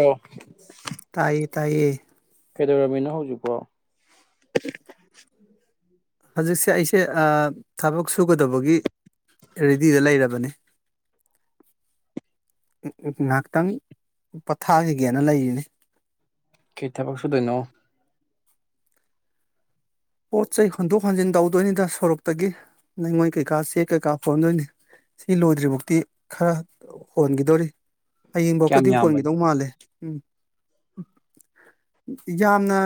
ꯑꯣ ꯇꯥꯏ ꯇꯥꯏꯌꯦ ꯀꯩꯗꯧꯔꯝꯃꯤꯅ ꯍꯧꯖꯤꯛꯀꯣ ꯍꯧꯖꯤꯛꯁꯦ ꯑꯩꯁꯦ ꯊꯕꯛ ꯁꯨꯒꯗꯕꯒꯤ ꯔꯦꯗꯤꯗ ꯂꯩꯔꯕꯅꯤ ꯉꯥꯏꯍꯥꯛꯇꯪ ꯄꯊꯥꯈꯤꯒꯦꯅ ꯂꯩꯔꯤꯅꯤ ꯀꯩ ꯊꯕꯣꯛ ꯁꯨꯗꯣꯏꯅꯣ ꯄꯣꯠ ꯆꯩ ꯍꯣꯟꯗꯣꯛ ꯍꯣꯟꯖꯤꯟ ꯇꯧꯗꯣꯏꯅꯤꯗ ꯁꯣꯔꯣꯛꯇꯒꯤ ꯅꯪꯉꯣꯏ ꯀꯩꯀꯥ ꯆꯦ ꯀꯩꯀꯥ ꯐꯣꯟꯗꯣꯏꯅꯤ ꯁꯤ ꯂꯣꯏꯗ꯭ꯔꯤꯐꯧꯛꯇꯤ ꯈꯔ ꯍꯣꯟꯈꯤꯗꯣꯔꯤ ꯀꯌꯥꯝ ꯍꯌꯦꯡꯐꯧꯀꯗꯤ ꯌꯥꯝꯕꯅꯣ ꯍꯣꯟꯒꯗꯧ ꯃꯥꯜꯂꯦ ꯎꯝ ꯌꯥꯝꯅ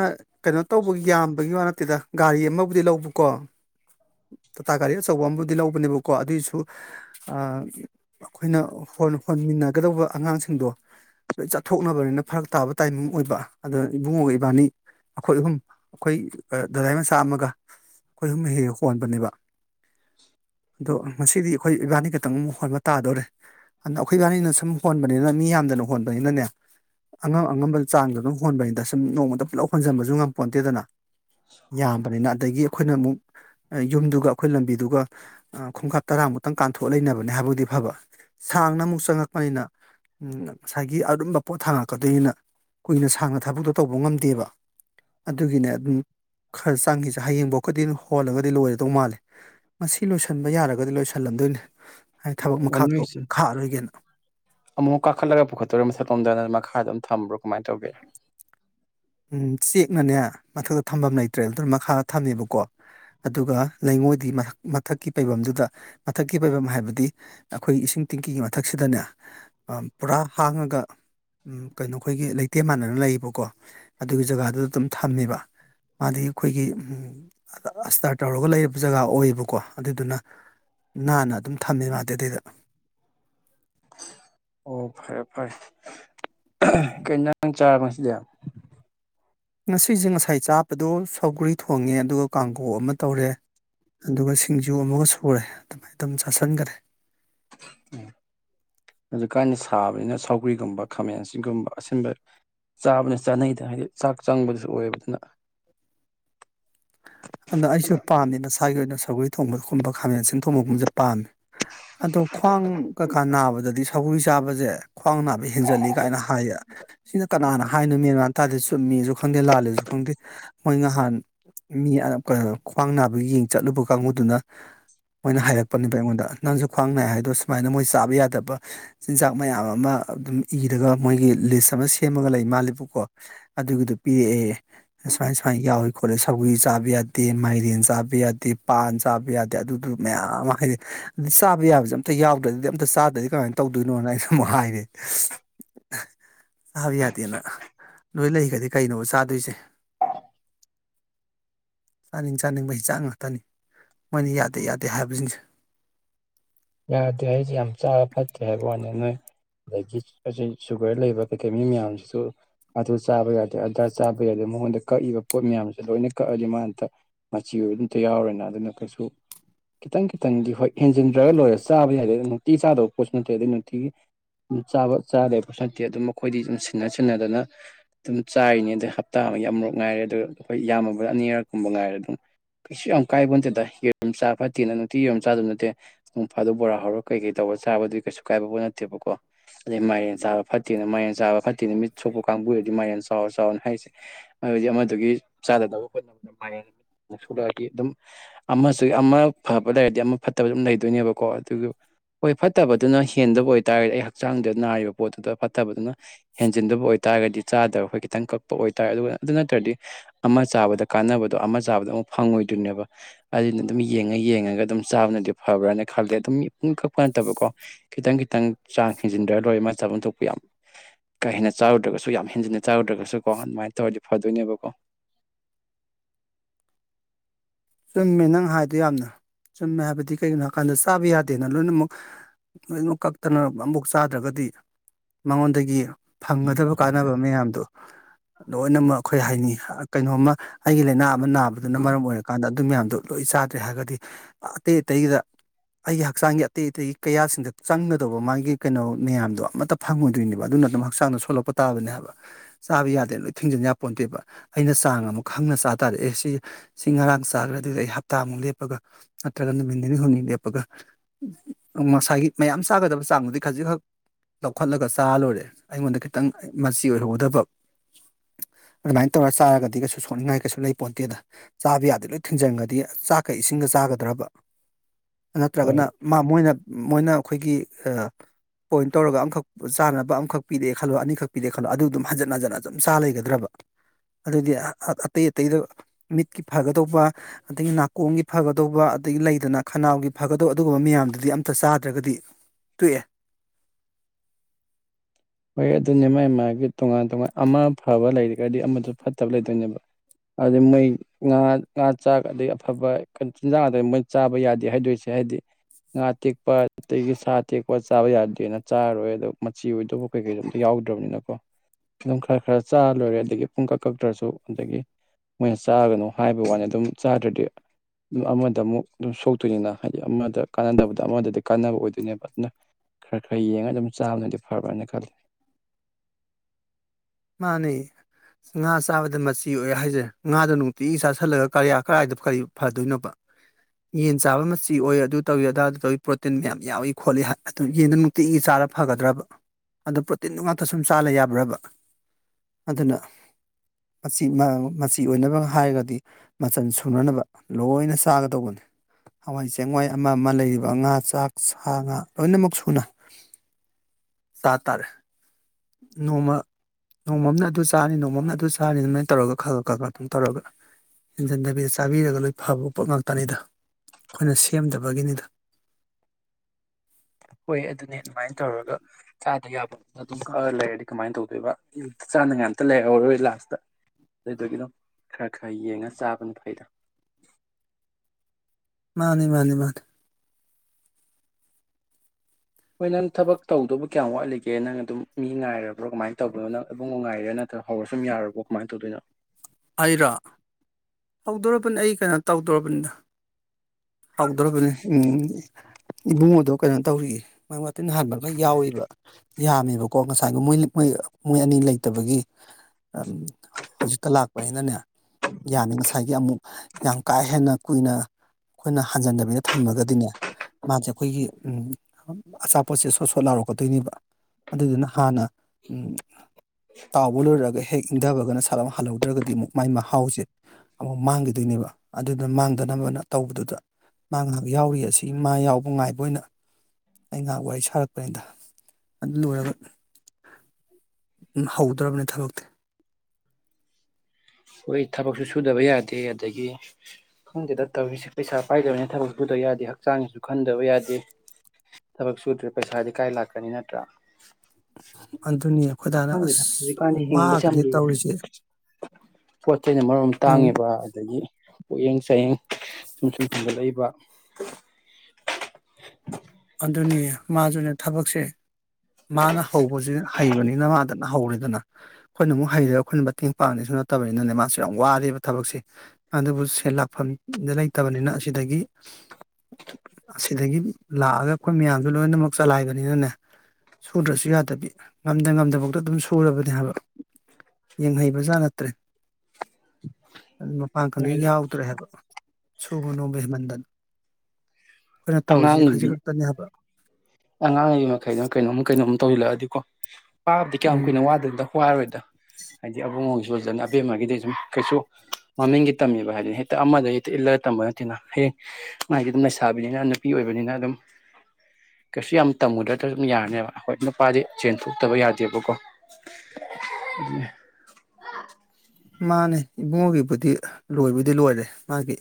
ꯀꯩꯅꯣ ꯇꯧꯕ ꯌꯥꯝꯕꯒꯤ ꯋꯥ ꯅꯠꯇꯦꯗ ꯒꯥꯔꯤ ꯑꯃꯕꯨꯗꯤ ꯂꯧꯕꯀꯣ ꯇꯥꯇꯥ ꯒꯥꯔꯤ ꯑꯆꯧꯕ ꯑꯃꯕꯨꯗꯤ ꯂꯧꯕꯅꯦꯕꯀꯣ ꯑꯗꯨꯏꯁꯨ ꯑꯩꯈꯣꯏꯅ ꯍ ꯍꯣꯟꯃꯤꯟꯅꯒꯗꯧꯕ ꯑꯉꯥꯡꯁꯤꯡꯗꯣ ꯂꯣꯏ ꯆꯠꯊꯣꯛꯅꯕꯅꯤꯅ ꯐꯔꯛ ꯇꯥꯕ ꯇꯥꯏꯃꯤꯡ ꯑꯣꯏꯕ ꯑꯗꯨꯅ ꯏꯕꯨꯡꯉꯣꯒ ꯏꯕꯥꯅꯤ ꯑꯩꯈꯣꯏ ꯑꯍꯨꯝ ꯑꯩꯈꯣꯏ ꯗꯥꯏ ꯃꯆꯥꯝ ꯑꯃꯒ ꯑꯩꯈꯣꯏ ꯍꯍꯨꯝ ꯍꯦꯛꯦꯛ ꯍꯣꯟꯕꯅꯦꯕ [unintelligible] ꯑꯗꯣ ꯉꯁꯤꯗꯤ ꯑꯩꯈꯣꯏ ꯏꯕꯥꯅꯤ ꯈꯛꯇꯪ ꯑꯃꯨꯛ ꯍꯣꯟꯕ ꯇꯥꯗꯣꯔꯦ ꯑꯗꯨꯅ ꯑꯩꯈꯣꯏ ꯏꯕꯥꯅꯤꯅ ꯁꯨꯝ ꯍꯣꯟꯕꯅꯤꯅ ꯃꯤ ꯌꯥꯝꯗꯅ ꯍꯣꯟꯕꯅꯤꯅꯅꯦ ꯑꯉꯝ ꯑꯉꯝꯕꯗ ꯆꯥꯡꯗ ꯑꯗꯨꯝ ꯍꯣꯟꯕꯩꯅꯤ ꯗ ꯁꯨꯝ ꯅꯣꯡꯃꯗ ꯄꯨꯂ ꯂꯧ ꯍꯟꯁꯤꯟꯕꯁꯨ ꯉꯝ ꯄꯣꯟꯇꯦꯗꯅ ꯌꯥꯝꯕꯅꯤꯅ ꯑꯗꯒꯤ ꯑꯩꯈꯣꯏꯅ ꯑꯃꯨꯛ ꯌꯨꯝꯗꯨꯒ ꯑꯩꯈꯣꯏ ꯂꯝꯕꯤꯗꯨꯒ ꯈꯣꯡꯀꯥꯞ ꯇꯔꯥꯃꯨꯛꯇꯪ ꯀꯥꯟꯊꯣꯛꯑ ꯂꯩꯅꯕꯅꯦ ꯍꯥꯏꯕꯕꯨꯗꯤ ꯐꯕ ꯁꯥꯡꯅ ꯑꯃꯨꯛ ꯆꯪꯉꯛꯄꯅꯤꯅ ꯉꯁꯥꯏꯒꯤ ꯑꯗꯨꯝꯕ ꯄꯣꯠ ꯊꯥꯡꯉꯛ ꯀꯗꯅ ꯀꯨꯏꯅ ꯁꯥꯡꯅ ꯊꯕꯛꯇꯣ ꯇꯧꯕ ꯉꯝꯗꯦꯕ ꯑꯗꯨꯒꯤꯅꯦ ꯑꯗꯨꯝ ꯈꯔ ꯆꯪꯉꯤꯁꯦ ꯍꯌꯦꯡꯐꯥꯎꯈꯗꯤ ꯍꯣꯜꯂꯗꯤ ꯂꯣꯏꯔꯗꯧ ꯃꯥꯜꯂꯦ ꯃꯁꯤ ꯂꯣꯏꯁꯤꯟꯕ ꯌꯥꯔꯒꯗꯤ ꯂꯣꯏꯁꯤꯜꯂꯝꯗꯣꯏꯅꯤ ꯍꯥꯏ ꯊꯕꯛ ꯑꯣ ꯃꯈꯥꯇꯣ ꯅꯣꯏꯁꯦ ꯈꯥꯛꯑꯔꯣꯏꯒꯦꯅ ꯑꯃꯨꯛ ꯊꯝꯃ꯭ꯔꯣ ꯀꯃꯥꯏꯅ ꯇꯧꯒꯦ ꯆꯦꯛꯅꯅꯦ ꯃꯊꯛꯇ ꯊꯝꯐꯝ ꯂꯩꯇ꯭ꯔꯦ ꯑꯗꯨꯅ ꯃꯈꯥꯗ ꯊꯝꯃꯦꯕꯀꯣ ꯑꯗꯨꯒ ꯂꯩꯉꯣꯏꯗꯤ ꯃꯊꯛꯀꯤ ꯄꯩꯐꯝꯗꯨꯗ ꯃꯊꯛꯀꯤ ꯄꯩꯐꯝ ꯍꯥꯏꯕꯗꯤ ꯑꯩꯈꯣꯏ ꯏꯁꯤꯡ ꯇꯤꯡꯀꯤꯒꯤ ꯃꯊꯛꯁꯤꯗꯅꯦ ꯄꯨꯔꯥ ꯍꯥꯡꯉꯒ ꯀꯩꯅꯣ ꯑꯩꯈꯣꯏꯒꯤ ꯂꯩꯇꯦ ꯃꯥꯟꯅꯅ ꯂꯩꯌꯦꯕꯀꯣ ꯑꯗꯨꯒꯤ ꯖꯒꯥꯗꯨꯗ ꯑꯗꯨꯝ ꯊꯝꯃꯦꯕ ꯃꯥꯗꯤ ꯑꯩꯈꯣꯏꯒꯤ ꯑꯁꯇꯥꯔ ꯇꯧꯔꯒ ꯂꯩꯔꯤꯕꯔꯕ ꯖꯒꯥ ꯑꯣꯏꯌꯦꯕꯀꯣ ꯑꯗꯨꯗꯨꯅ ꯅꯥꯟꯅ ꯑꯗꯨꯝ ꯊꯝꯃꯦ ꯃꯥꯗꯤ ꯑꯗꯨꯗꯩꯗ ꯑꯣ ꯐꯔꯦ ꯐꯔꯦ ꯀꯩ ꯅꯪ ꯆꯥꯃꯁꯤꯗꯤ ꯉꯁꯤꯁꯦ ꯉꯁꯥꯏ ꯆꯥꯕꯗꯣ ꯁꯧꯒ꯭ꯔꯤ ꯊꯣꯡꯉꯦ ꯑꯗꯨꯒ ꯀꯥꯡꯈꯨ ꯑꯃ ꯇꯧꯔꯦ ꯑꯗꯨꯒ ꯁꯤꯡꯖꯨ ꯑꯃꯒ ꯁꯨꯔꯦ ꯑꯗꯨꯃꯥꯏ ꯑꯗꯨꯝ ꯆꯥꯁꯤꯟꯈꯔꯦ ꯎꯝ ꯑꯗꯨꯀꯥꯏꯅ ꯁꯥꯕꯅꯤꯅ ꯁꯥꯎꯒ꯭ꯔꯤꯒꯨꯝꯕ ꯈꯥꯃꯦꯟ ꯑꯁꯤꯒꯨꯝꯕ ꯑꯁꯤꯨꯝꯕ ꯆꯥꯕꯅ ꯆꯥꯅꯩꯗ ꯍꯥꯏꯗꯤ ꯆꯥꯛ ꯆꯪꯕꯗꯨꯁꯨ ꯑꯣꯏꯕꯅꯤꯅ ꯑꯗꯣ ꯑꯩꯁꯨ ꯄꯥꯝꯃꯤ ꯅꯁꯥꯒꯤ ꯑꯣꯏꯅ ꯁꯒꯣꯏ ꯊꯣꯡꯕ ꯈꯨꯝꯕ ꯈꯥꯃꯦꯟ ꯑꯁꯤꯟ ꯊꯣꯡꯕꯒꯨꯝꯕꯦ ꯄꯥꯝꯃꯦ ꯑꯗꯣ ꯈ꯭ꯋꯥꯡ ꯀꯀꯥ ꯅꯥꯕꯗꯗꯤ ꯁꯧꯏ ꯆꯥꯕꯁꯦ ꯈ꯭ꯋꯥꯡ ꯅꯥꯕ ꯍꯦꯟꯖꯜꯂꯤ ꯀꯥꯏꯅ ꯍꯥꯏꯌꯦ ꯁꯤꯅ ꯀꯅꯥꯅ ꯍꯥꯏꯅꯣ ꯃꯦꯟꯃꯥꯟ ꯇꯥꯗꯦ ꯆꯨꯝꯃꯤꯁꯨ ꯈꯪꯗꯦ ꯂꯥꯜꯂꯦꯁꯨ ꯈꯪꯗꯦ ꯃꯣꯏ ꯉꯍꯥꯟ ꯃꯤ ꯈ꯭ꯋꯥꯡ ꯅꯥꯕꯒꯤ ꯌꯦꯡ ꯆꯠꯂꯨꯕ ꯀꯥꯡꯕꯨꯗꯨꯅ ꯃꯣꯏꯅ ꯍꯥꯏꯔꯛꯄꯅꯦꯕ ꯑꯩꯉꯣꯟꯗ ꯅꯪꯁꯨ ꯈ꯭ꯋꯥꯡ ꯅꯥꯏ ꯍꯥꯏꯗꯣ ꯁꯨꯃꯥꯏꯅ ꯃꯣꯏ ꯆꯥꯕ ꯌꯥꯗꯕ ꯆꯤꯟꯖꯥꯛ ꯃꯌꯥꯝ ꯑꯃ ꯑꯗꯨꯝ ꯏꯔꯒ ꯃꯣꯏꯒꯤ ꯂꯤꯁ ꯑꯃ ꯁꯦꯝꯃꯒ ꯂꯩ ꯃꯥꯜꯂꯤꯕꯨꯀꯣ ꯑꯗꯨꯒꯤꯗꯨꯣ ꯄꯤꯔꯛꯑꯦ ꯁꯨꯃꯥꯏꯅ ꯁꯨꯃꯥꯏꯅ ꯌꯥꯎꯋꯤ ꯈꯣꯠꯂꯦ ꯁꯒꯠꯄ ꯎꯏ ꯆꯥꯕ ꯌꯥꯗꯦ ꯃꯥꯏꯔꯦꯟ ꯆꯥꯕ ꯌꯥꯗꯦ ꯄꯥꯟ ꯆꯥꯕ ꯌꯥꯗꯦ ꯑꯗꯨꯗꯨ ꯃꯌꯥꯝ ꯑꯃ ꯍꯥꯏꯔꯦ ꯑꯗꯨ ꯆꯥꯕ ꯌꯥꯕꯁꯦ ꯑꯝꯇ ꯌꯥꯎꯗ꯭ꯔꯗꯤ ꯑꯝꯇ ꯆꯥꯗ꯭ꯔꯗꯤ ꯀꯃꯥꯏꯅ ꯇꯧꯗꯣꯏꯅꯣꯅ ꯑꯩꯁꯨ ꯑꯃꯨꯛ ꯍꯥꯏꯔꯦ ꯆꯥꯕ ꯌꯥꯗꯦꯅ ꯅꯣꯏ ꯂꯩꯈꯗꯤ ꯀꯩꯅꯣ ꯆꯥꯗꯣꯏꯁꯦ ꯆꯥꯅꯤꯡ ꯆꯥꯅꯤꯡꯕ ꯍꯤꯟꯖꯥꯡ ꯉꯥꯛꯇꯅꯤ ꯃꯣꯏꯅ ꯌꯥꯗꯦ ꯌꯥꯗꯦ ꯍꯥꯏꯕꯁꯤꯡꯁꯦ ꯌꯥꯗꯦ ꯍꯥꯏꯁꯦ ꯌꯥꯝ ꯆꯥꯕ ꯐꯠꯇ꯭ꯔꯦ ꯍꯥꯏꯕ ꯋꯥꯅꯤ ꯅꯣꯏ ꯑꯗꯒꯤ ꯑꯖꯤ ꯁꯨꯒꯔ ꯂꯩꯕ ꯀꯩꯀꯩ ꯃꯤ ꯃꯌꯥꯝꯁꯤꯁꯨ ꯑꯗꯨ ꯆꯥꯕ ꯌꯥꯗꯦ ꯑꯗ ꯆꯥꯕ ꯌꯥꯗꯦ ꯃꯉꯣꯟꯗ ꯀꯛꯏꯕ ꯄꯣꯠ ꯃꯌꯥꯝꯁꯦ ꯂꯣꯏꯅ ꯀꯛꯑꯗꯤ ꯃꯥ ꯑꯝꯇ ꯃꯆꯤ ꯑꯣꯏꯕ ꯑꯝꯇ ꯌꯥꯎꯔꯔꯣꯏꯅ ꯑꯗꯨꯅ ꯀꯩꯁꯨ ꯈꯤꯇꯪ ꯈꯤꯇꯪꯗꯤ ꯍꯣꯏ ꯍꯦꯟꯖꯤꯟꯗ꯭ꯔꯒ ꯂꯣꯏꯔꯦ ꯆꯥꯕ ꯌꯥꯗꯦ ꯅꯨꯡꯇꯤ ꯆꯥꯗꯕ ꯄꯣꯠꯁꯨ ꯅꯠꯇꯦ ꯑꯗꯨꯗꯩ ꯅꯨꯡꯇꯤꯒꯤ ꯆꯥꯕ ꯆꯥꯗꯕ ꯄꯣꯠꯁꯨ ꯅꯠꯇꯦ ꯑꯗꯨꯝ ꯃꯈꯣꯏꯗꯤ ꯑꯗꯨꯝ ꯁꯤꯟꯅ ꯁꯤꯟꯅꯗꯅ ꯑꯗꯨꯝ ꯆꯥꯔꯤꯅꯤ ꯑꯗꯩ ꯍꯞꯇꯥ ꯑꯃ ꯌꯥꯝꯃꯨꯛ ꯉꯥꯏꯔꯦ ꯑ ꯑꯩꯈꯣꯏ ꯌꯥꯝꯃꯕꯗ ꯑꯅꯤꯔꯛꯀꯨꯝꯕ ꯉꯥꯏꯔ ꯑꯗꯨꯝ ꯀꯩꯁꯨ ꯌꯥꯝ ꯀꯥꯏꯕ ꯅꯠꯇꯦꯗ ꯌꯦꯔꯝ ꯆꯥꯕ ꯐꯠꯇꯦꯅ ꯅꯨꯡꯇꯤ ꯌꯦꯔꯨꯝꯝ ꯆꯥꯗꯕ ꯅꯠꯇꯦ ꯐꯥꯗꯣꯛ ꯕꯣꯔꯥ ꯍꯧꯔꯒ ꯀꯩ ꯀꯩ ꯇꯧꯔ ꯆꯥꯕꯗꯨꯗꯤ ꯀꯩꯁꯨ ꯀꯥꯏꯄꯣꯠ ꯅꯠꯇꯦꯕꯀꯣ ꯑꯗꯩ ꯃꯥꯏꯔꯦꯟ ꯆꯥꯕ ꯐꯠꯇꯦꯅ ꯃꯥꯏꯔꯦꯟ ꯆꯥꯕ ꯐꯠꯇꯦꯅ ꯃꯤꯠ ꯁꯣꯛꯄ ꯀꯥꯡꯕꯨ ꯑꯣꯏꯔꯗꯤ ꯃꯥꯏꯔꯦꯟ ꯆꯥꯎ ꯆꯥꯎꯅ ꯍꯥꯏꯔꯤꯁꯦ ꯑꯗꯨꯗꯤ ꯑꯃꯗꯨꯒꯤ ꯆꯥꯗꯅꯕ ꯍꯣꯠꯅꯕꯗ ꯃꯥꯏꯔꯦꯟ ꯃꯤꯠ ꯁꯣꯛꯂꯛꯑꯗꯤ ꯑꯗꯨꯝ ꯑꯃꯁꯨ ꯑꯃ ꯐꯕ ꯂꯩꯔꯗꯤ ꯑꯃ ꯐꯠꯇꯕ ꯑꯗꯨꯝ ꯂꯩꯗꯣꯏꯅꯦꯕ ꯀꯣ ꯑꯗꯨ ꯍꯣꯏ ꯐꯠꯇꯕꯗꯨꯅ ꯍꯦꯟꯗꯕ ꯑꯣꯏꯇꯥꯔꯒꯗꯤ ꯑꯩ ꯍꯛꯆꯥꯡꯗ ꯅꯥꯔꯤꯕ ꯄꯣꯠꯇꯨꯗ ꯐꯠꯇꯕꯗꯨꯅ ꯍꯦꯟꯖꯤꯟꯗꯨꯕ ꯑꯣꯏꯇꯥꯔꯒꯗꯤ ꯆꯥꯗꯕ ꯑꯩꯈꯣꯏ ꯈꯤꯇꯪ ꯀꯛꯄ ꯑꯣꯏꯇꯥꯔꯦ ꯑꯗꯨꯒ ꯑꯗꯨ ꯅꯠꯇ꯭ꯔꯗꯤ ꯑꯃ ꯆꯥꯕꯗ ꯀꯥꯟꯅꯕꯗꯣ ꯑꯃ ꯆꯥꯕꯗ ꯑꯃꯨꯛ ꯐꯪꯉꯣꯏꯗꯣꯏꯅꯦꯕ ꯑꯗꯨꯅ ꯑꯗꯨꯝ ꯌꯦꯡꯉ ꯌꯦꯡꯉꯒ ꯑꯗꯨꯝ ꯆꯥꯕꯅꯗꯤ ꯐꯕ꯭ꯔꯥꯅ ꯈꯜꯂꯦ ꯑꯗꯨꯝ ꯏ ꯄꯨꯡ ꯀꯛꯄ ꯅꯠꯇꯕꯀꯣ ꯈꯤꯇꯪ ꯈꯤꯇꯪ ꯆꯥꯡ ꯍꯤꯡꯖꯤꯟꯗ꯭ꯔ ꯂꯣꯏꯔꯦ ꯃꯥꯏ ꯆꯥꯐꯝ ꯊꯣꯛꯣꯛꯄ ꯌꯥꯝ ꯀꯥ ꯍꯦꯟꯅ ꯆꯥꯔꯨꯗ꯭ꯔꯒꯁꯨ ꯌꯥꯝ ꯍꯦꯟꯖꯤꯟꯅ ꯆꯥꯔꯨꯗ꯭ꯔꯒꯁꯨ ꯀꯣ ꯑꯗꯨꯃꯥꯏꯟ ꯇꯧꯔꯗꯤ ꯐꯗꯣꯏꯅꯦꯕꯀꯣ ꯆꯨꯝꯃꯦ ꯅꯪ ꯍꯥꯏꯗꯣ ꯌꯥꯝꯅ ꯆꯨꯝꯃꯦ ꯍꯥꯏꯕꯗꯤ ꯀꯩꯒꯤꯅꯣ ꯍꯥꯏꯀꯥꯟꯗ ꯆꯥꯕ ꯌꯥꯗꯦꯅ ꯂꯣꯏꯅꯃꯛ ꯂꯣꯏꯅꯃꯛ ꯀꯛꯇꯅ ꯑꯃꯕꯣꯛ ꯆꯥꯗ꯭ꯔꯒꯗꯤ ꯃꯉꯣꯟꯗꯒꯤ ꯐꯪꯒꯗꯕ ꯀꯥꯟꯅꯕ ꯃꯌꯥꯝꯗꯣ ꯂꯣꯏꯅꯃꯛ ꯑꯩꯈꯣꯏ ꯍꯥꯏꯅꯤ ꯀꯩꯅꯣꯝꯃ ꯑꯩꯒꯤ ꯂꯥꯏꯅꯥ ꯑꯃ ꯅꯥꯕꯗꯨꯅ ꯃꯔꯝ ꯑꯣꯏꯔꯒ ꯑꯗꯨ ꯃꯌꯥꯝꯗꯣ ꯂꯣꯏ ꯆꯥꯗ꯭ꯔꯦ ꯍꯥꯏꯔꯒꯗꯤ ꯑꯇꯩ ꯑꯇꯩꯗ ꯑꯩꯒꯤ ꯍꯛꯆꯥꯡꯒꯤ ꯑꯇꯩ ꯑꯇꯩ ꯀꯌꯥꯁꯤꯡꯗ ꯆꯪꯒꯗꯧꯕ ꯃꯥꯒꯤ ꯀꯩꯅꯣ ꯃꯌꯥꯝꯗꯣ ꯑꯃꯠꯇ ꯐꯪꯉꯣꯏꯗꯣꯏꯅꯦꯕ ꯑꯗꯨꯅ ꯑꯗꯨꯝ ꯍꯛꯆꯥꯡꯗꯣ ꯁꯣꯜꯂꯛꯄ ꯇꯥꯕꯅꯦ ꯍꯥꯏꯕ ꯆꯥꯕ ꯌꯥꯗꯦ ꯂꯣꯏ ꯊꯤꯡꯖꯤꯟ ꯌꯥꯄꯣꯟꯇꯦꯕ ꯑꯩꯅ ꯆꯥꯡ ꯑꯃꯨꯛ ꯈꯪꯅ ꯆꯥ ꯇꯥꯔꯦ ꯑꯦ ꯁꯤ ꯆ ꯉꯔꯥꯡ ꯆꯥꯈ꯭ꯔꯗꯤ ꯑꯩ ꯍꯞꯇꯥꯃꯨꯛ ꯂꯦꯞꯄꯒ ꯅꯠꯇ꯭ꯔꯒ ꯅꯨꯃꯤꯠ ꯅꯤꯅꯤ ꯍꯨꯝꯅꯤ ꯂꯦꯞꯄꯒ ꯉꯁꯥꯏꯒꯤ ꯃꯌꯥꯝ ꯆꯥꯒꯗꯕ ꯆꯥꯡꯗꯨꯗꯤ ꯈꯖꯤꯛꯈꯛ ꯂꯧꯈꯠꯂꯒ ꯆꯥ ꯂꯣꯏꯔꯦ ꯑꯩꯉꯣꯟꯗ ꯈꯤꯇꯪ ꯃꯆꯤ ꯑꯣꯏꯍꯧꯒꯗꯕ ꯑꯗꯨꯃꯥꯏꯅ ꯇꯧꯔ ꯆꯥꯔꯒꯗꯤ ꯀꯩꯁꯨ ꯁꯣꯛꯅꯤꯡꯉꯥꯏ ꯀꯩꯁꯨ ꯂꯩ ꯄꯣꯇꯦꯗ ꯆꯥꯕ ꯌꯥꯗꯤ ꯂꯣꯏ ꯊꯤꯡꯖꯤꯟꯒꯗꯤ ꯆꯥꯛꯀ ꯏꯁꯤꯡꯒ ꯆꯥꯒꯗ꯭ꯔꯕ ꯍꯣꯏ ꯅꯠꯇ꯭ꯔꯒꯅ ꯃꯥ ꯃꯣꯏꯅ ꯃꯣꯏꯅ ꯑꯩꯈꯣꯏꯒꯤ ꯄꯣꯏꯟ ꯇꯧꯔꯒ ꯑꯃꯈꯛ ꯆꯥꯅꯕ ꯑꯃꯈꯛ ꯄꯤꯔꯦ ꯈꯜꯂꯣ ꯑꯅꯤꯈꯛ ꯄꯤꯔꯦ ꯈꯜꯂꯣ ꯑꯗꯨ ꯑꯗꯨꯝ ꯍꯟꯖꯟ ꯍꯟꯖꯟꯅ ꯑꯗꯨꯝ ꯆꯥ ꯂꯩꯒꯗ꯭ꯔꯕ ꯑꯗꯨꯗꯤ ꯑꯇꯩ ꯑꯇꯩꯗ ꯃꯤꯠ ꯀꯤ ꯐꯒꯗꯧꯕ ꯑꯗꯒꯤ ꯅꯥꯀꯣꯡꯒꯤ ꯐꯒꯗꯧꯕ ꯑꯗꯒꯤ ꯂꯩꯗꯅ ꯈꯅꯥꯎꯒꯤ ꯐꯒꯗꯧꯕ ꯑꯗꯨꯒꯨꯝꯕ ꯃꯌꯥꯝꯗꯨꯗꯤ ꯑꯝꯇ ꯆꯥꯗ꯭ꯔꯒꯗꯤ ꯇꯣꯛꯑꯦ ꯍꯣꯏ ꯑꯗꯨꯅꯦ ꯃꯥꯥꯏ ꯃꯥꯒꯤ ꯇꯣꯉꯥꯟ ꯇꯣꯉꯥꯟ ꯑꯃ ꯐꯕ ꯂꯩꯔꯒꯗꯤ ꯑꯃꯗꯨ ꯐꯠꯇꯕ ꯂꯩꯗꯣꯏꯅꯦꯕ ꯑꯗꯨꯏ ꯃꯣꯏ ꯉꯥ ꯉꯥ ꯆꯥꯛ ꯑꯗꯩ ꯑꯐꯕ ꯆꯤꯟꯖꯥꯛ ꯉꯥꯛꯇꯅꯤ ꯃꯣꯏ ꯆꯥꯕ ꯌꯥꯗꯦ ꯍꯥꯏꯗꯣꯏꯁꯦ ꯍꯥꯏꯗꯤ ꯉꯥ ꯇꯦꯛꯄ ꯑꯗꯒꯤ ꯁꯥ ꯇꯦꯛꯄ ꯆꯥꯕ ꯌꯥꯗꯦꯅ ꯆꯥꯔꯔꯣꯏ ꯑꯗꯨ ꯃꯆꯤ ꯑꯣꯏꯗꯧꯕ ꯀꯩꯀꯩꯣꯝ ꯌꯥꯎꯗ꯭ꯔꯕꯅꯤꯅꯀꯣ ꯑꯗꯨꯝ ꯈꯔ ꯈꯔ ꯆꯥꯔ ꯂꯣꯏꯔꯦ ꯑꯗꯒꯤ ꯄꯨꯡ ꯀꯛ ꯀꯛꯇ꯭ꯔꯁꯨ ꯑꯗꯒꯤ ꯃꯣꯏꯅ ꯆꯥꯒꯅꯨ ꯍꯥꯏꯕ ꯋꯥꯅꯤ ꯑꯗꯨꯝ ꯆꯥꯗ꯭ꯔꯗꯤꯝ ꯑꯃꯗ ꯑꯃꯨꯛ ꯑꯗꯨꯝ ꯁꯣꯛꯇꯣꯏꯅꯤꯅ ꯍꯥꯏꯗꯤ ꯑꯃꯗ ꯀꯥꯟꯅꯗꯕꯗ ꯑꯃꯗꯗꯤ ꯀꯥꯟꯅꯕ ꯑꯣꯏꯗꯣꯏꯅꯦꯕ ꯑꯗꯨꯅ ꯈꯔ ꯈꯔ ꯌꯦꯡꯉꯒ ꯑꯗꯨꯝ ꯆꯥꯕꯅꯗꯤ ꯐꯥꯔꯃꯔꯅ ꯈꯜꯂꯤ ꯃꯥꯅꯦ ꯉꯥ ꯆꯥꯕꯗ ꯃꯆꯤ ꯑꯣꯏ ꯍꯥꯏꯖꯁꯔꯦ ꯉꯥꯗꯣ ꯅꯨꯡꯇꯤꯒꯤ ꯆꯥꯥꯁꯜꯂꯒ ꯀꯔꯤꯌꯥ ꯀꯗꯥꯏꯗ ꯀꯔꯤ ꯐꯗꯣꯏꯅꯣꯕ ꯌꯦꯟ ꯆꯥꯕ ꯃꯆꯤ ꯑꯣꯏ ꯑꯗꯨ ꯇꯧꯋꯏ ꯑꯗꯥꯗꯨ ꯇꯧꯏ ꯄ꯭ꯔꯣꯇꯤꯟ ꯃꯌꯥꯝ ꯌꯥꯎꯏ ꯈꯣꯠꯂꯤ ꯑꯗꯨ ꯌꯦꯟꯗꯨꯣ ꯅꯨꯡꯇꯤꯒꯤ ꯆꯥꯔ ꯐꯒꯗ꯭ꯔꯕ ꯑꯗꯨ ꯄ꯭ꯔꯣꯇꯤꯟꯗꯨ ꯉꯥꯛꯇ ꯁꯨꯝ ꯆꯥꯂ ꯌꯥꯕ꯭ꯔꯕ ꯑꯗꯨꯅ ꯃꯆꯤ ꯃꯆꯤ ꯑꯣꯏꯅꯕ ꯍꯥꯏꯔꯒꯗꯤ ꯃꯆꯜ ꯁꯨꯅꯅꯕ ꯂꯣꯏꯅ ꯆꯥꯒꯗꯧꯕꯅꯤ ꯍꯋꯥꯏ ꯆꯦꯡꯋꯥꯏ ꯑꯃ ꯑꯃ ꯂꯩꯔꯤꯕ ꯉꯥ ꯆꯥꯛ ꯁꯥ ꯉꯥ ꯂꯣꯏꯅꯃꯛ ꯁꯨꯅ ꯆꯥ ꯇꯥꯔꯦ ꯅꯣꯡꯃ ꯅꯣꯡꯃꯝꯅ ꯑꯗꯨ ꯆꯥꯔꯅꯤ ꯅꯣꯡꯃꯝꯅ ꯑꯗꯨ ꯆꯥꯔꯅꯤ ꯑꯗꯨꯃꯥꯏꯅ ꯇꯧꯔꯒ ꯈꯒ ꯈꯒ ꯑꯗꯨꯝ ꯇꯧꯔꯒ ꯍꯦꯟꯖꯟꯗꯕꯤꯗ ꯆꯥꯕꯤꯔꯒ ꯂꯣꯏ ꯐꯕ ꯄꯣꯠ ꯉꯥꯛꯇꯅꯤꯗ ꯑꯩꯈꯣꯏꯅ ꯁꯦꯝꯗꯕꯒꯤꯅꯤꯗ ꯍꯣꯏ ꯑꯗꯨꯅꯦ ꯑꯗꯨꯃꯥꯏꯅ ꯇꯧꯔꯒ ꯆꯥꯗ ꯌꯥꯕꯗ ꯑꯗꯨꯝ ꯈꯛ ꯂꯩꯔꯗꯤ ꯀꯃꯥꯏꯅ ꯇꯧꯗꯣꯏꯕ ꯆꯥꯅꯉꯥꯏꯝꯇ ꯂꯩꯔꯔꯣꯏ ꯂꯥꯁꯇ ꯑꯗꯨꯗꯒꯤ ꯑꯗꯨꯝ ꯈꯔ ꯈꯔ ꯌꯦꯡꯉ ꯆꯥꯕꯅꯤ ꯐꯩꯗ ꯃꯥꯅꯤ ꯃꯥꯅꯤ ꯃꯥꯅꯤ ꯍꯣꯏ ꯅꯪ ꯊꯕꯛ ꯇꯧꯗꯕꯨ ꯀꯌꯥꯝ ꯋꯥꯠꯂꯤꯒꯦ ꯅꯪ ꯑꯗꯨꯝ ꯃꯤ ꯉꯥꯏꯔꯕ꯭ꯔꯣ ꯀꯃꯥꯏꯅ ꯇꯧꯕꯅꯣ ꯅꯪ ꯏꯕꯨꯡꯒ ꯉꯥꯏꯔꯥ ꯅꯠꯇ꯭ꯔꯒ ꯍꯧꯔ ꯁꯨꯝ ꯌꯥꯔꯕ꯭ꯔꯣ ꯀꯃꯥꯏꯅ ꯇꯧꯗꯣꯏꯅꯣ ꯑꯩ ꯔꯣ ꯍꯧꯗꯣꯔꯕꯅꯤ ꯑꯩ ꯀꯩꯅꯣ ꯇꯧꯗꯣꯔꯕꯅꯤꯗ ꯍꯧꯗꯣꯔꯕꯅꯦ ꯎꯝ ꯏꯕꯨꯡꯉꯣꯗꯣ ꯀꯩꯅꯣ ꯇꯧꯔꯤꯌꯦ ꯃꯣꯏ ꯋꯥꯇꯤꯟ ꯍꯥꯟꯕ ꯑꯃ ꯌꯥꯎꯔꯤꯕ ꯌꯥꯝꯃꯦꯕꯀꯣ ꯉꯁꯥꯏꯕꯨ ꯃꯣꯏ [unintelligible] ꯃꯣꯏ ꯑꯅꯤ ꯂꯩꯇꯕꯒꯤ ꯍꯧꯖꯤꯛꯇ ꯑꯝ ꯂꯥꯛ ꯑꯩꯣꯏꯅꯅꯦ ꯌꯥꯅꯤ ꯉꯁꯥꯏꯒꯤ ꯑꯃꯨꯛ ꯌꯥꯝ ꯀꯥ ꯍꯦꯟꯅ ꯀꯨꯏꯅ ꯑꯩꯈꯣꯏꯅ ꯍꯟꯖꯟꯗꯕꯤꯅ ꯊꯝꯃꯒꯗꯤꯅꯦ ꯃꯥꯁꯦ ꯑꯩꯈꯣꯏꯒꯤ ꯑꯆꯥꯄꯣꯠꯁꯦ ꯁꯣꯠ ꯁꯣꯠ ꯂꯥꯎꯔꯛꯀꯗꯣꯏꯅꯦꯕ ꯑꯗꯨꯗꯨꯅ ꯍꯥꯟꯅ ꯇꯥꯎꯕ ꯂꯣꯏꯔꯒ ꯍꯦꯛ ꯏꯗꯕꯒ ꯅꯁꯥꯗꯣ ꯍꯜꯍꯧ ꯇ꯭ꯔꯒꯗꯤ ꯑꯃꯨꯛ ꯃꯥꯏ ꯃꯍꯥꯎꯁꯦ ꯑꯃꯨꯛ ꯃꯥꯡꯒꯤꯗꯨꯏꯅꯦꯕ ꯑꯗꯨꯗ ꯃꯥꯡꯗꯅꯕꯅ ꯇꯧꯕꯗꯨꯗ ꯃꯥ ꯉꯥꯏꯍꯥꯛ ꯌꯥꯎꯔꯤ ꯑꯁꯤ ꯃꯥ ꯌꯥꯎꯕ ꯉꯥꯏꯕ ꯑꯣꯏꯅ ꯑꯩ ꯉꯥꯏꯍꯥꯛ ꯋꯥꯔꯤ ꯁꯥꯔꯛꯄꯅꯤꯗ ꯑꯗꯨ ꯂꯣꯏꯔꯒ ꯎꯝ ꯍꯧꯗꯣꯔꯕꯅꯤ ꯊꯕꯛꯇꯤ ꯍꯣꯏ ꯊꯕꯛꯁꯨ ꯁꯨꯗꯕ ꯌꯥꯗꯦ ꯑꯗꯒꯤ ꯈꯪꯗꯦꯗꯠꯇꯧꯔꯤꯁꯦ ꯄꯩꯁꯥ ꯄꯥꯏꯗꯕꯅꯤꯅ ꯊꯕꯛ ꯁꯨꯗꯕ ꯌꯥꯗꯦ ꯍꯛꯆꯥꯡꯒꯤꯁꯨ ꯈꯟꯗꯕ ꯌꯥꯗꯦ ꯊꯕꯛ ꯁꯨꯗ꯭ꯔꯦ ꯄꯩꯁꯥꯗꯤ ꯀꯥꯏ ꯂꯥꯛꯀꯅꯤ ꯅꯠꯇ꯭ꯔꯥ ꯑꯗꯨꯅꯤ ꯑꯩꯈꯣꯏꯗꯥꯅ ꯍꯥꯟꯁꯤꯗ ꯑꯁ ꯍꯧꯖꯤꯛꯀꯥꯟꯗꯤ ꯍꯤꯡꯕꯁꯦ ꯌꯥꯝ ꯋꯥꯒ꯭ꯔꯦ ꯂꯩꯔ ꯇꯧꯔꯤꯁꯦ ꯄꯣꯠ ꯆꯩꯩꯅ ꯃꯔꯣ ꯌꯥꯝ ꯇꯥꯡꯉꯦꯕ ꯑꯗꯒꯤ ꯄꯣꯠꯌꯦꯡ ꯆꯥꯌꯦꯡ ꯁꯨꯝ ꯁꯨꯝ ꯆꯨꯝꯒ ꯂꯩ ꯋꯥ ꯑꯗꯨꯅꯤ ꯃꯥꯁꯨꯅꯦ ꯊꯕꯛꯁꯦ ꯃꯥꯅ ꯍꯧꯕꯁꯨ ꯍꯩꯕꯅꯤꯅ ꯃꯥꯗꯅ ꯍꯧꯔꯦꯗꯅ ꯑꯩꯈꯣꯏꯅ ꯑꯃꯨꯛ ꯍꯩꯔꯒ ꯑꯩꯈꯣꯏꯅ ꯃꯇꯦꯡ ꯄꯥꯡꯉꯦꯁꯨ ꯅꯠꯇꯕꯅꯤꯅꯅꯦ ꯃꯥꯁꯨ ꯌꯥꯝ ꯋꯥꯔꯦꯕ ꯊꯕꯛꯁꯦ ꯑꯗꯨꯕꯨ ꯁꯦ ꯂꯥꯛꯐꯝꯗꯤ ꯂꯩꯇꯕꯅꯤꯅ ꯑꯁꯤꯗꯒꯤ ꯑꯁꯤꯗꯒꯤ ꯂꯥꯛꯑꯒ ꯑꯩꯈꯣꯏ ꯃꯌꯥꯝꯁꯨ ꯂꯣꯏꯅꯃꯛ ꯆꯂꯥꯏꯕꯅꯤꯅꯅꯦ ꯁꯨꯗ꯭ꯔꯁꯨ ꯌꯥꯗꯕꯤ ꯉꯝꯗ ꯉꯝꯗꯕꯧꯗ ꯑꯗꯨꯝ ꯁꯨꯔꯕꯅꯦ ꯍꯥꯏꯕ ꯌꯦꯡꯍꯩꯕꯖꯥꯠ ꯅꯠꯇ꯭ꯔꯦ ꯃꯄꯥꯟ ꯀꯟꯗ ꯌꯥꯎꯗ꯭ꯔꯦ ꯍꯥꯏꯕ ꯁꯨꯕ ꯅꯣꯝꯕ ꯍꯦꯟꯃꯟꯗꯅ ꯑꯗ ꯑꯉꯥꯡ ꯇꯧꯔꯤꯁꯤ ꯈꯖꯤꯛ ꯅꯨꯕꯤ ꯈꯛꯇꯅꯦ ꯍꯥꯏꯕ ꯑꯉꯥꯡꯒꯤ ꯃꯈꯩꯅ ꯀꯩꯅꯣꯝ ꯀꯩꯅꯣꯝ ꯀꯩꯅꯣꯝ ꯇꯧ ꯖꯤꯜꯂꯛ ꯑꯗꯤꯀꯣ ꯋꯥꯕꯥꯕꯨꯗꯤ ꯀꯌꯥꯝ ꯎꯝ ꯀꯨꯏꯅ ꯋꯥꯗꯣꯏꯅꯣꯗ ꯋꯥꯔꯣꯏꯗ ꯍꯥꯏꯗꯤ ꯑꯕꯨꯡꯒꯤꯁꯨ ꯁꯜꯖꯅꯤ ꯑꯕꯦꯝꯃꯒꯤꯗꯤ ꯑꯗꯨꯨꯝ ꯀꯩꯁꯨ ꯃꯃꯤꯡꯒꯤ ꯇꯝꯃꯤꯕ ꯍꯥꯏꯗꯨꯅꯤ ꯍꯦꯛꯇ ꯑꯃꯗ ꯍꯦꯛꯇ ꯏꯜꯂꯒ ꯇꯝꯕ ꯅꯠꯇꯦꯅ ꯍꯌꯦꯡ ꯃꯥꯒꯤ ꯑꯗꯨꯝ ꯂꯩꯁꯥꯕꯤꯅꯤꯅ ꯅꯨꯄꯤ ꯑꯣꯏꯕꯅꯤꯅ ꯑꯗꯨꯝ ꯀꯩꯁꯨ ꯌꯥꯝ ꯇꯝꯃꯨꯗ꯭ꯔ ꯑꯗꯨꯝ ꯌꯥꯔꯅꯦꯕ ꯍꯣꯏ ꯅꯨꯄꯥꯗꯤ ꯁꯦꯟꯊꯣꯛꯇꯕ ꯌꯥꯗꯦꯕꯀꯣ ꯑꯗꯨ ꯃꯥꯅꯦ ꯏꯕꯨꯡꯉꯒꯤꯕꯨꯗꯤ ꯂꯣꯏꯕꯨꯗꯤ ꯂꯣꯏꯔꯦ ꯃꯥꯒꯤ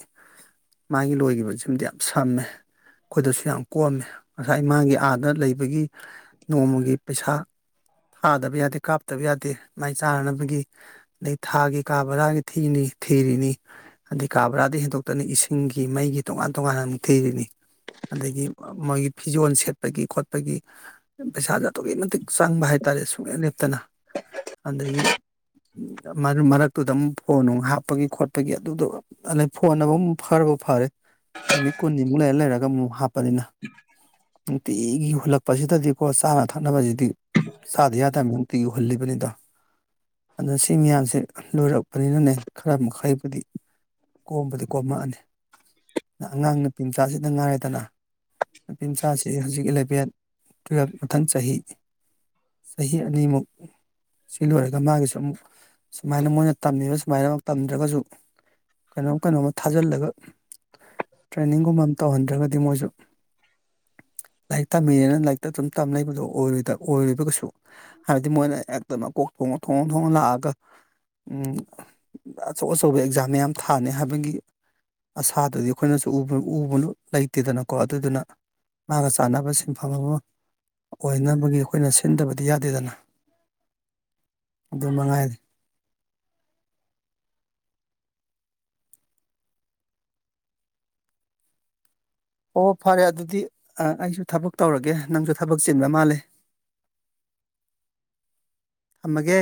ꯃꯥꯒꯤ ꯂꯣꯏꯈꯤꯕꯁꯤꯃꯗꯤ ꯌꯥꯝ ꯁꯝꯃꯦ ꯑꯩꯈꯣꯏꯗꯁꯨ ꯌꯥꯝ ꯀꯣꯝꯃꯦ ꯉꯁꯥꯏ ꯃꯥꯒꯤ ꯑꯥꯗ ꯂꯩꯕꯒꯤ ꯅꯣꯡꯃꯒꯤ ꯄꯩꯁꯥ ꯊꯥꯗꯕ ꯌꯥꯗꯦ ꯀꯥꯞꯇꯕ ꯌꯥꯗꯦ ꯃꯥꯏ ꯆꯥꯅꯅꯕꯒꯤ ꯑꯗꯩ ꯊꯥꯒꯤ ꯀꯥ ꯕꯔꯥꯒꯤ ꯊꯤꯅꯤ ꯊꯤꯔꯤꯅꯤ ꯑꯗꯩ ꯀꯥ ꯕꯔꯥꯗ ꯍꯦꯟꯗꯣꯛꯇꯅ ꯏꯁꯤꯡꯒꯤ ꯃꯩꯒꯤ ꯇꯣꯉꯥꯟ ꯇꯣꯉꯥꯟꯅ ꯑꯃꯨꯛ ꯊꯤꯔꯤꯅꯤ ꯑꯗꯒꯤ ꯃꯣꯏꯒꯤ ꯐꯤꯖꯣꯜ ꯁꯦꯠꯄꯒꯤ ꯈꯣꯠꯄꯒꯤ ꯄꯩꯁꯥꯁꯦ ꯑꯗꯨꯛꯀꯤ ꯃꯇꯤꯛ ꯆꯪꯕ ꯍꯥꯏꯇꯥꯔꯦ ꯁ ꯁꯨꯡꯂꯦꯛ ꯂꯦꯞꯇꯅ ꯑꯗꯒꯤ ꯎꯝ ꯃꯔꯛꯇꯨꯗ ꯑꯃꯨꯛ ꯐꯣꯟ ꯑꯃꯅꯨꯡꯛ ꯍꯥꯞꯄꯒꯤ ꯈꯣꯠꯄꯒꯤ ꯑꯗꯨꯗꯣ ꯐꯣꯟꯅ ꯑꯃꯨꯛ ꯈꯥꯔꯕꯨ ꯐꯔꯦ ꯅꯨꯃꯤꯠ ꯀꯨꯟꯅꯤꯃꯨꯛ ꯂꯩꯔ ꯂꯩꯔꯒ ꯑꯃꯨꯛ ꯍꯞꯄ ꯗ ꯄꯅꯤꯅꯥ ꯅꯨꯡꯇꯤꯒꯤ ꯍꯨꯜꯂꯛꯄꯁꯤꯗꯗꯤꯀꯣ ꯆꯥꯅ ꯊꯛꯅꯕꯁꯤꯗꯤ ꯆꯥꯗ ꯌꯥꯗꯕꯅꯤ ꯅꯨꯡꯇꯤꯒꯤ ꯍꯨꯜꯂꯤꯕꯅꯤꯗꯣ ꯑꯗꯨꯅ ꯁꯤ ꯃꯌꯥꯝꯁꯦ ꯂꯣꯏꯔꯛꯄꯅꯤꯅꯅꯦ ꯈꯔ ꯃꯈꯩꯕꯨꯗꯤ ꯀꯣꯝꯕꯗꯤ ꯀꯣꯝꯃꯛꯑꯅꯤ ꯑꯉꯥꯡ ꯅꯨꯄꯤ ꯃꯆꯥꯁꯤꯗ ꯉꯥꯏꯔꯦꯗꯅ ꯅꯨꯄꯤ ꯃꯆꯥꯁꯤ ꯍꯧꯖꯤꯛ ꯏꯂꯚꯦꯟ ꯇꯨꯌꯦꯜꯂꯐ ꯃꯊꯪ ꯆꯍꯤ ꯆꯍꯤ ꯑꯅꯤꯃꯨꯛ ꯁꯤ ꯂꯣꯏꯔꯒ ꯃꯥꯒꯤꯁꯨ ꯑꯃꯨꯛ ꯁꯨꯃꯥꯏꯅ ꯃꯣꯏꯅ ꯇꯝꯃꯤꯕ ꯁꯨꯃꯥꯏꯅ ꯑꯃ ꯇꯝꯗ꯭ꯔꯒꯁꯨ ꯀꯩꯅꯣꯝ ꯀꯩꯅꯣꯝꯃ ꯊꯥꯖꯤꯜꯂꯒ ꯇ꯭ꯔꯦꯅꯤꯡꯒꯨꯝꯕ ꯑꯃ ꯇꯧꯍꯟꯗ꯭ꯔꯒꯗꯤ ꯃꯣꯏꯁꯨ ꯂꯥꯏꯔꯤꯛ ꯇꯝꯃꯤꯅꯤꯅ ꯂꯥꯏꯔꯤꯛꯇ ꯑꯗꯨꯝ ꯇꯝ ꯂꯩꯕꯗꯣ ꯑꯣꯏꯔꯨꯕꯀꯩꯁꯨ ꯍꯥꯏꯕꯗꯤ ꯃꯣꯏꯅ ꯍꯦꯛꯇꯃꯛꯀꯣꯛ ꯊꯣꯡꯉ ꯊꯣꯡ ꯊꯣꯡꯉ ꯂꯥꯛꯑꯒ ꯑꯆꯧ ꯑꯆꯧꯕ ꯑꯦꯛꯖꯥꯝ ꯃꯌꯥꯝ ꯊꯥꯅꯤ ꯍꯥꯏꯕꯒꯤ ꯑꯁꯥꯗꯨꯗꯤ ꯑꯩꯈꯣꯏꯅꯁꯨꯕ ꯎꯕ ꯂꯩꯇꯦꯗꯅꯀꯣ ꯑꯗꯨꯗꯨꯅ ꯃꯥꯒ ꯆꯥꯟꯅꯕ ꯁꯤꯟꯐꯝ ꯑꯃ ꯑꯣꯏꯅꯕꯒꯤ ꯑꯩꯈꯣꯏꯅ ꯁꯤꯟꯗꯕꯗꯤ ꯌꯥꯗꯦꯗꯅ ꯑꯗꯨ ꯃꯉꯥꯏꯔꯔꯦ ꯑꯣ ꯐꯔꯦ ꯑꯗꯨꯗꯤ ꯑꯩꯁꯨ ꯊꯕꯛ ꯇꯧꯔꯒꯦ ꯅꯪꯁꯨ ꯊꯕꯛ ꯆꯤꯟꯕ ꯃꯥꯜꯂꯦ ꯊꯝꯃꯒꯦ